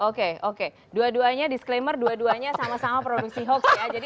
oke oke dua duanya disclaimer dua duanya sama sama produksi hoax ya